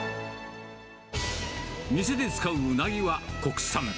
店で使うウナギは国産。